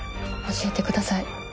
教えてください。